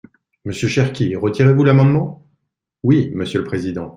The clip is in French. Monsieur Cherki, retirez-vous l’amendement ? Oui, monsieur le président.